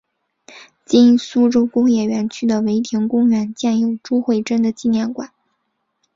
今苏州工业园区的唯亭公园建有朱慧珍的纪念馆。